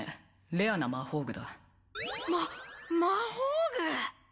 レアな魔法具だま魔法具！？